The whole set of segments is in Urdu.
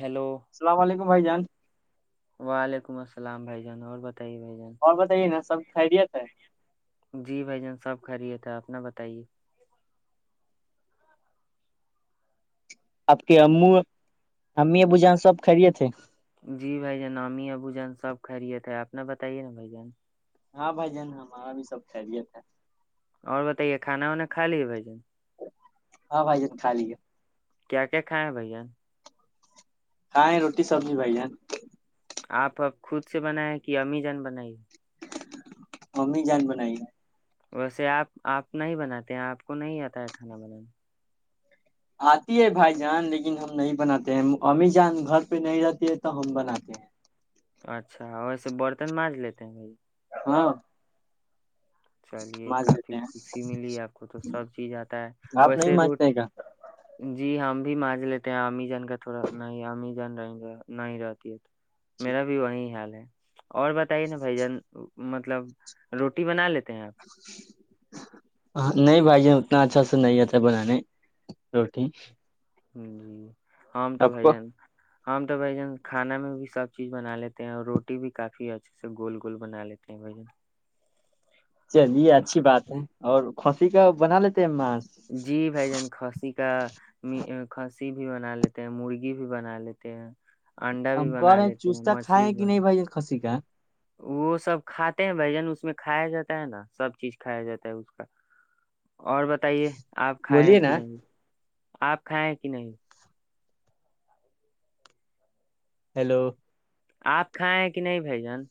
ہیلو السلام علیکم بھائی جان وعلیکم السلام ائی جانا اور بتائیے بھائی جان اور بتائیے نا سب خیریت ہے جی بھائی جان سب کھی ہے تھ اپنا بتائیے آپ کے ا امی ا ب جان سب خھریے تھے جی بھائی جان اامی ابو جان سب خیریت ہے آپنا بتائیے نا بھائی جان ہاں بھائی جان ہمارا بھی سب خیریت ہے اور بتائیے کھانا وانا کا لیے بھائی جان ہاں بھائی جت خالی ہے کیا کیا کھائے ہیں بھیا ہاںیں روٹی سبزی بھائی جان آپ اب خود سے بنایا کہ امی جان بنائیے ممی جان بنائی ہے ویسے آپ آپ نہیں بناتے ہیں آپ کو نہیں آتا ہے کھانا بنانا آتی ہے بھائی جان لیکن ہم نہیں بناتے ہیں امی جان گھر پہ نہیں رہتی ہے تو ہم بناتے ہیں اچھا ویسے برتن مانج لیتے ہیں بھائی ہاں چلیے مانج کافی دیتے ہیں خوشی ملی آپ کو تو سب چیز آتا ہے آپ نہیں ویسے روٹ مانجتے گا جی ہم بھی مانج لیتے ہیں ا جان کا تھوڑا نہیں اممی جان رہ نہیں رہتی ہے تو میرا بھی وہی حال ہے اور بتائیے نا بھائی جان مطلب روٹی بنا لیتے ہیں آپ [inaudible] ہ نہیں بھائی اتنا اچھا سے نہیں آتا بنانے روٹی جی ہمم تو آپ بھ کو جان ہم تو بھ جن کھانا میں بھی سب چیز بنا لیتے ہیں اور روٹی بھی کافی اچھے سے گول گول بنا لیتے ہیں بھ جن چلیے اچھی بات ہے اور کھانسی کا بنا لیتے ہیں ماس جی بھائی جان کھاسی کا کھسی بھی بنا لیتے ہیں مرغی بھی بنا لیتے ہیں انڈا بھی ہم کر بنا رہے ہیں لیتے چوستتا مچھلی کائے بھی کہ بنا نہیں بھائی خسی کا وہ سب کھاتے ہیں بھجن اس میں کھایا جاتا ہے نا سب چیز کھایا جاتا ہے اس کا اور بتائیے آپ کھائے ہیں بولیے نا کہ نہیں آپ کھائیں کہ نہیں ہیلو آپ کھائیں کہ نہیں بھائی جان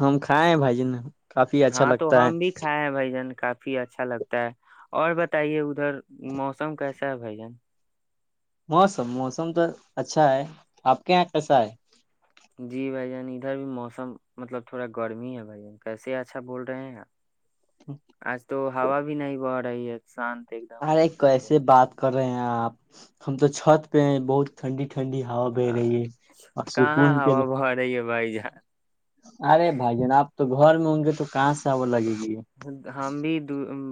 ہم کھائے ہیں بھجی نے ہاں تو ہم بھی کھائے ہیں بھ جن کافی اچھا لگتا ہے اور بتائیے ادھر موسم کیسا ہے بھائی جان موسم موسم تو اچھا ہے آپ کے یہاں کیسا ہے جی بھائی جان ادھر بھی موسم مطلب تھوڑا گرمی ہے بھائی جان کیسے اچھا بول رہے ہیں آپ آج تو ہوا بھی نہیں بہ رہی ہے شانت [unintelligible] ارے ہے تو ادھر۔ کیسے بات کر رہے ہیں آپ ہم تو چھت پہ بہت ٹنڈی ٹھنڈی ہا بہ رہی ہے ہاں، اور سکون کہاں کے ہوا بہ رہی ہے بھائی جان ارے بھائی جان آپ تو گھر میں ہوں گے تو کہاں سے وہ لگے گی ہم بھی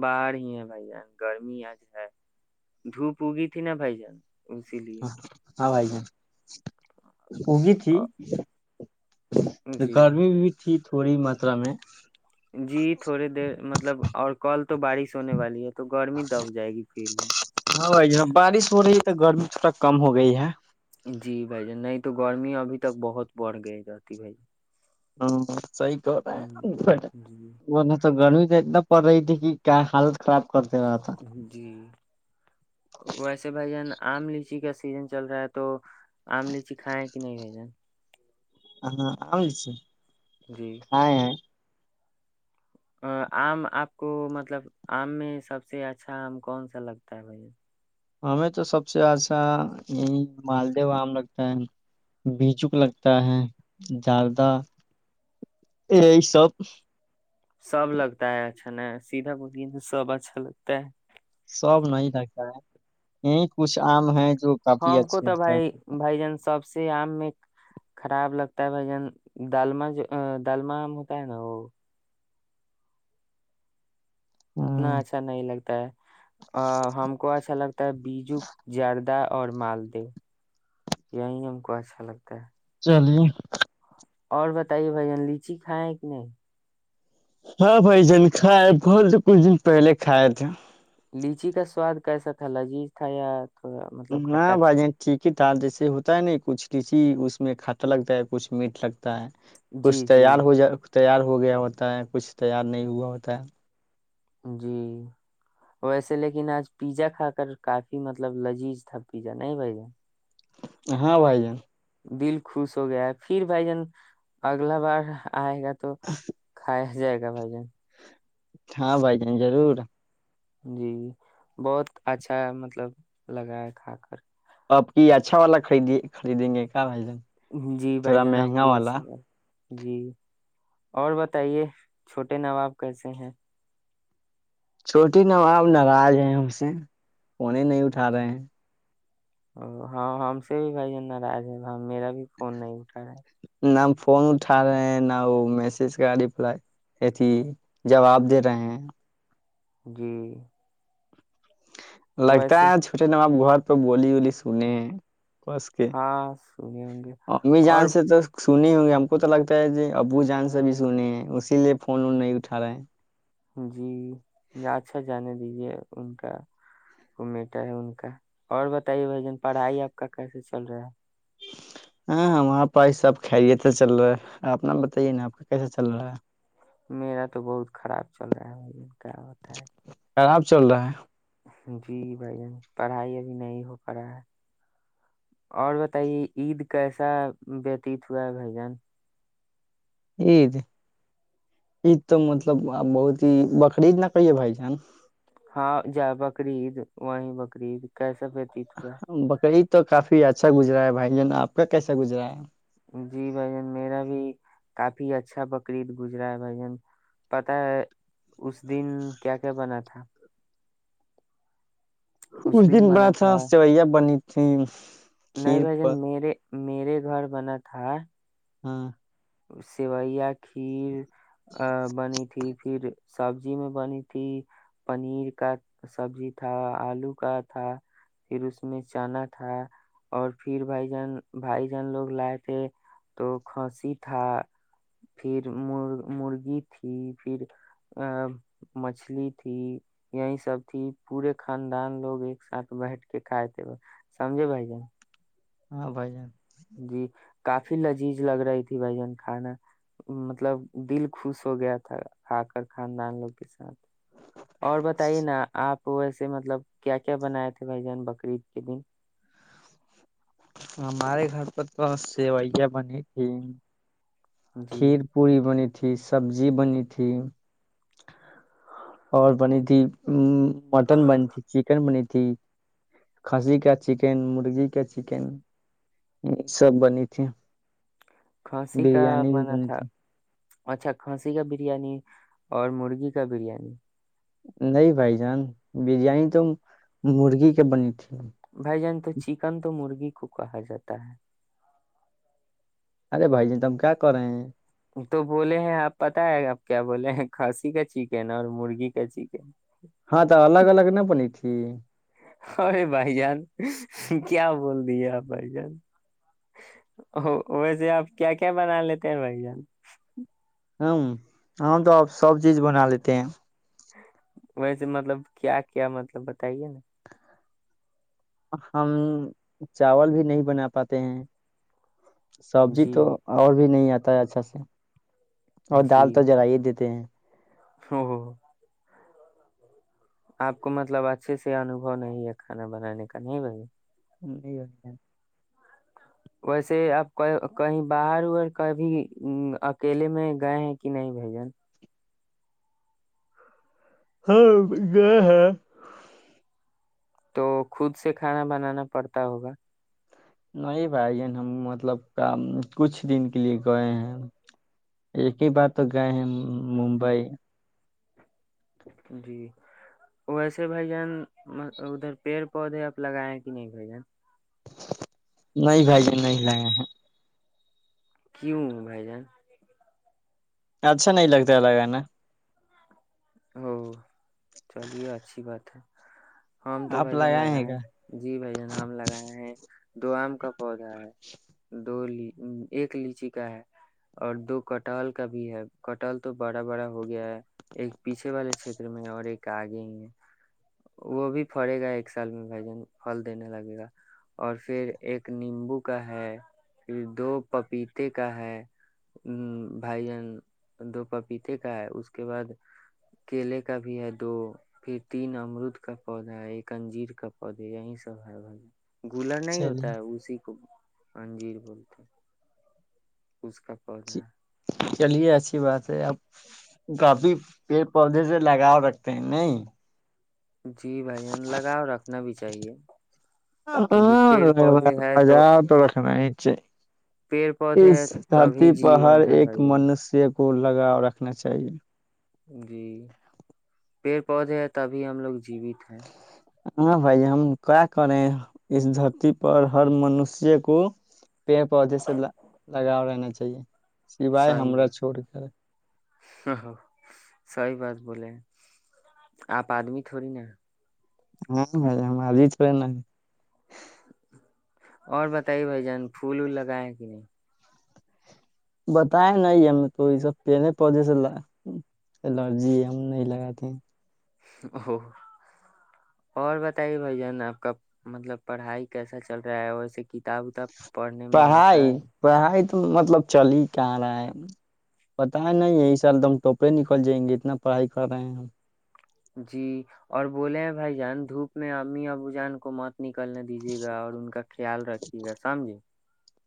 باہار ہی ہے بھائی جان گرمی آج ہے دھوپ اگی تھی نا بھائی جان اسی لیے ہاں بھائی جان ہوگی تھی آ- جی گرمی بھی تھییک [unintelligible] تھوڑی ماترا میں جی تھوڑے دیر مطلب اور کال تو بارش ہونے والی ہے تو گرمی دب جائے گی پھر بھی ہاں ج بارش ہو رہی ہے تو گرمی تھوڑا کم ہو گئی ہے [unintelligible] جی بھائی جان نہیں تو گرمی ابھی تک بہت بڑھ گئی جاتی بھائی ج ہاں سی ک جی م تو گ [unintelligible] ایک دم پ رہی تھیک کیا حالت خراب کر دے رہا تھا [unintelligible] جان۔ جی ویسے بھائی جان آم لیچی کا سیزن چل رہا ہے تو آم لیچی کھائےیں کہ نہیں بھائی جن ہاں آ سے [unintelligible] جی ہاں ہے [unintelligible] ا آم آپ کو مطلب آم میں سب سے اچھا آم کون سا لگتا ہے بھ ہمیں تو سب سے اچھا یہ مالد آم لگتا ہے بچوک لگتا ہے داردہ یہی سب سب لگتا ہے اچھا ن سیدھا بو سب اچھا لگتا ہے سب نہیں رہتا ہے یہی کچھ آم ہے جو کافی ہم کو اچھے تو لگتا ہے بھائی بھائی جان سب سے آم میں خراب لگتا ہے بھائی جان ڈالم جو ڈالمہم ہوتا ہے نا وہ اتنا ہاں اچھا نہیں لگتا ہے ہم کو اچھا لگتا ہے بیجو زردہ اور مالدی یہی ہم کو اچھا لگتا ہے چلیے اور بتائیے بھن لیچی کھائےیں کہ نہیں ہاں بھائی جان کائے بول تو کچھ دن پہلے کائے تھے لیچی کا سواد کیسا تھا لجیذ تھا یار ہاں بھائی ج ٹھیک ہی تھاال جیسے ہوتا ہے نہیں کچھ کسی اس میں کھٹا لگتا ہے کچھ میٹ لگتا ہے ہو تھا؟ جی کچھ جی تیار ہو جائے تیار ہو گیا ہوتا ہے کچھ تیار نہیں ہوا ہوتا ہے جی ویسے لیکن آج پیزا کھا کر کافی مطلب لذیذ تھا پیزا نہیں بھائی جان ہاں بھائی جان دل خوش ہو گیا ہے پھر بھائی جان اگلا بار آے گا تو کھ جائے گا کیا بھائی ج ہاں بھائی جان ضرور جی بہت اچھا مطلب لگا ہے کھا کر آپ کی یہ اچھا والا خریدیے خریدیں گے کیا بھائی جان جی بھائی تھوڑا جناب مہنگا کی حات والا سال جی اور بتائیے چھوٹے نواب کیسے ہیں چھوٹی نواب ناراض ہیں ہم سے کونے نہیں اٹھا رہے ہیں ہاں ہم سے بھی بھائی جان ناراض ہے میرا بھی فون نہیں اٹھا رہا ہے نہ فون اٹھا رہے ہیں نہ وہ میسج کا رپلائی اھی جواب دے رہے ہیں جی لگتا ویسے ہے چھوٹے نام آپ س بولی ولی سنے کس کے ہاں سنے ہوں گے اور جان سے تو سنے ہوں گے ہم کو تو لگتا ہے ج ابو جان سے بھی سنے ہیں اسی لیے فون وون نہیں اٹھ رہا ہے جی اچھا جانے دی ان کا وہ بیٹا ہے ان کا اور بتائیے بھائی جان پڑھائی آپ کا کیسے چل رہا ہے ہاں وہاں پائی سب خیریت سے چل رہا ہے آپ بتائیے نا آپ کا کیسا چل رہا ہے میرا تو بہت خراب چل رہا ہے کیا ہوتا ہے خراب چل رہا ہے جی بھائی جن پڑھائی ابھی نہیں ہو پا رہا ہے اور بتائیے عید کیسا وتیت ہوا ہے بھائی جن ایید ایید تو مطلب بہت ہی بکریج نہ کئیے بھائی جان ہاں بقرید وہیں بقرریید کیسے سے وتیت ہوئے [inaudible] بقرعید تو کافی اچھا گزرا ہے بھائی جن آ کا کیسا گزرا ہے جی بھائی جن میرا بھی کافی اچھا بقرعید گزرا ہے بھائی جن پتا ہے اس دن کیا کیا بنا تھا اس دن بڑا اھا سوئیا بنی تھین نہیں بھ جن میرے میرے گھر بنا تھا ہاں سیوئیا کھیر [inaudible] بنی تھی پھر سبزی میں بنی تھی پنیر کا سبزی تھا آلو کا تھا پھر اس میں چنا تھا اور پھر بھائی جان بھائی جان لوگ لائے تھے تو کھانسی تھا پھر م مرغی تھی پھر ا مچھلی تھی یہی سب تھی پورے خاندان لوگ ایک ساتھ بیٹھ کے کھائے تھے سمجھے بھائی جان ہاں بھائی جان جی [inaudible] کافی لذیذ لگ رہی تھی بھ جن کھانا مطلب دل خوش ہو گیا تھا کھا کر خاندان لوگ کے ساتھ [inaudible] اور بتائیے نا آپ وہ ویسے مطلب کیا کیا بناائے تھے بھائی جان بقرید کے دن ہمارے گھر پ تو سوئیاں بنی تھی [inaudible] جی کر پوری تھی سبزی بنی تھی اور بنی تھی مٹن بنی تھی چکن بنی تھی کھانسی کا چکن مرغی کا چکن یہ سب بنی تھی کھانسی کا بریانی بھی بنا بنی تھا تھی اچھا کھانسی کا بریانی اور مرغی کا بریانی نہیں بھائی جان بریانی تو مرغی کے بنی تھی بائی جان تو چکن تو مرغی کو کہا جاتا ہے ارے بھائی جان تم کیا کر رہے ہیں تو بولے ہیں آپ پت ہے آپ کیا بولے ہیں کھانسی کا چکن اور مرغی کا چکن ہاں تو الگ الگ نہ بنی تھی ارے بھائی جان کیا بول دیا بھ جن ویسے آپ کیا کیا بنا لیتے ہیں بھ جان ہ ہ ہم تو آپ سب چیز بنا لیتے ہیں ویسے مطلب کیا کیا مطلب بتائیے نا ہم چاول بھی نہیں بنا پاتے ہیں سبزی جی تو اور بھی نہیں آتی ہوتا ہے اچھا سے اور دال تو جر ہی دیتے ہیں ہ ہو آپ کو مطلب اچھے سے انوبو نہیں ہے کھانا بنانے کا نہیں بھائی نہیں ہو ویسے اپ کہیں باہر ہو اور کبھی اکیلے میں گئے ہیں کہ نہیں بھجن ہاں یہ ہے تو خود سے کھانا بنانا پڑتا ہوگا نہیں بھائیین ہم مطلب کچھ دن کے لیے گئے ہیں ایک ہی بار تو گئے ہیں ممبئی جی ویسے بھائی جان ادھر پیڑ پودے آپ لگائے کہ نہیں بھائی جان نہیں بھائی نہیں لائے ہیں کیوں بائی جان اچھا نہیں لگتا لگانا ہاں چلیے اچھی بات ہے ہم تو بھ آپ جن لگائے ہیں لگائےیں کیا جی بھ جان ہم لگائے ہیں دو آم کا پودا ہے دو ایک لیچی کا ہے اور دو کٹال کا بھی ہے کٹال تو بڑا بڑا ہو گیا ہے ایک پیچھے والے چھیتر میں اور ایک آگے ہیں وہ بھی پڑے گا ایک سال میں بھائی جن فھل دینے لگے گا اور پھر ایک نیمبو کا ہے پھر دو پپیتے کا ہے بھائیجن دو پپیتے کا ہے اس کے بعد کیلے کا بھی ہے دو پھر تین امرود کا پودا ہے ایک انجیر کا پودے یہی سب ہے بھائی گولر نہیں ہوتا ہے چلیے اسی کو اننجیر بولتے ہیں اس کا کرنا ہے چلیے اچھی بات ہے اپ کافی پیڑ پودے سے لگاؤ رکھتے ہیں نہیں جی بھائی جان لگاؤ رکھنا بھی چاہیے کیونکہ ہاں پیڑ پودے ہے تو لگاؤ رکھنا ہی چاہیے پیڑ پودے اس ہے تبھی جیون ہے بھائی جان کوول لگا رکھنا چاہیے جی پیڑ پودے ہیں تبھی ہم لوگ جیوت ہیں ہاں بھائی ہم کیا کریں اس دھرتی پر ہر منوشی کو پیڑ پودے سے لگاؤ رہنا چاہیے سوائے صحیح ہمر بات چھوڑ کے صحیح بات بولے آپ آدمی تھوڑی نا ہاں بھائی ہم آجج پ نہیں اور بتائیے بھ جان پھول وول لگائے کہ نہیں بتائے نہیں ہمیں تو یہ سب پہلے پودے سے الرجی ہم نہیں لگاتے ہیں او اور بتائیے بھائی جان آپ کا مطلب پڑھائی کیسا چل رہا ہے ویسے کتاب اتاب پڑھائی پڑھائی تو مطلب چل ہی کہ رہا ہے پتا ہے نہیں یہ س ایک د ہم ٹوپے نکل جائیں گے اتنا پڑھائی کر رہے ہیں ہم جی اور بولے ہیں بھائی جان دھوپ میں امی ابو جان کو مت نکلنے دیجیے گا اور ان کا خیال رکھیے گا سمجھے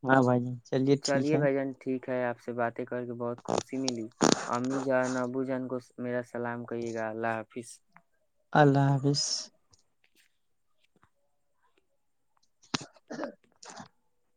ہاں بھائی ج چلیے بھائی جان ٹھیک ہے آپ سے باتیں کر کے بہت خوشی ملی امی جان ابو جان کو میرا [unintelligible] سلام کریے گا اللہ حافظ اللہ حافظ [inaudible]